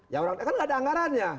ya orang itu kan tidak ada anggarannya